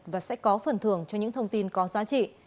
và sẽ có phần thưởng cho những thông tin có giá trị